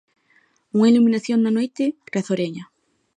Unha iluminación na noite riazoreña.